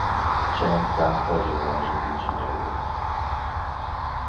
Chen canta generalmente in cinese.